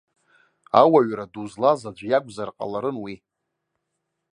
Ауаҩра ду злаз аӡә иакәзар ҟаларын уи.